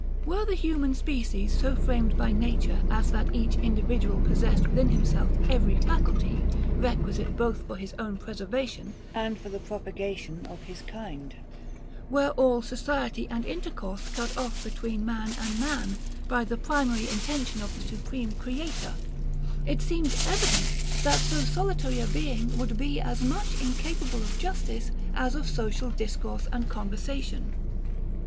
Were the human species so framed by nature as that each individual possessed within himself every faculty, requisite both for his own preservation and for the propagation of his kind: Were all society and intercourse cut off between man and man, by the primary intention of the supreme Creator: It seems evident, that so solitary a being would be as much incapable of justice, as of social discourse and conversation.